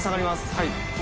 はい。